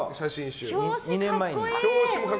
２年前の。